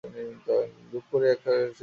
ঝুপ করিয়া একপাশে শুইয়া পড়িলাম।